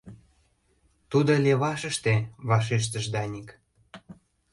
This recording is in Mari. — Тудо левашыште, — вашештыш Даник.